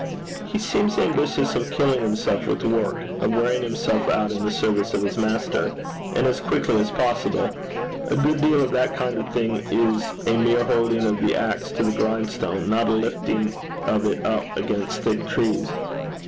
'He seems ambitious of killing himself with work of wearing himself out in the service of his master and as quickly as possible. A good deal of that kind of thing is a mere holding of the axe to the grindstone, not a lifting of it up against thick trees.